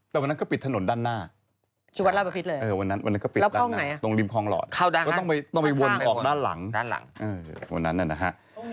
แต่วันนั้นก็ปิดถนนด้านหน้าตรงริมคลองหลอดต้องไปวนออกด้านหลังวันนั้นนะฮะ